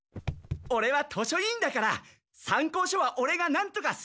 オレは図書委員だから参考書はオレがなんとかする。